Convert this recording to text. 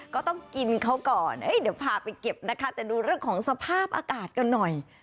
ก็ต้องกินเขาก่อนเดี๋ยวพาไปเก็บนะคะแต่ดูเรื่องของสภาพอากาศกันหน่อย